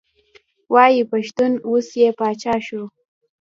وایي پښتون اوس یې پاچا شو.